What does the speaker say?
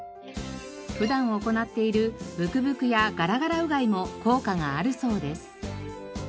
普段行っているブクブクやガラガラうがいも効果があるそうです。